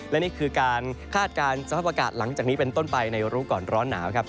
และนี่คือการคาดการณ์สภาพอากาศหลังจากนี้เป็นต้นไปในรู้ก่อนร้อนหนาวครับ